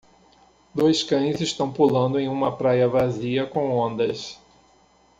Dois cães estão pulando em uma praia vazia com ondas.